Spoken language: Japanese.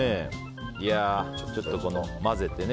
ちょっと混ぜてね。